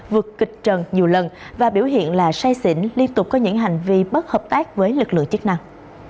vượt kịch trần nhiều lần và biểu hiện là say xỉn liên tục có những hành vi bất hợp tác với lực lượng chức năng